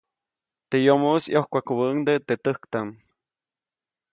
Teʼ yomoʼis ʼyojkwajkubäʼuŋde teʼ täjktaʼm.